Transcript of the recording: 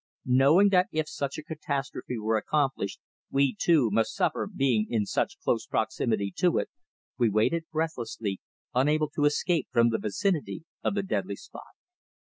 Knowing that if such a catastrophe were accomplished we, too, must suffer being in such close proximity to it, we waited breathlessly, unable to escape from the vicinity of the deadly spot.